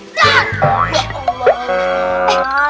aduh aduh aduh